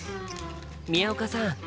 宮岡さん